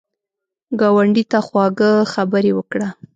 ګاونډي ته خواږه خبرې وکړه